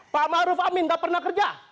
pak maruf amin tak pernah kerja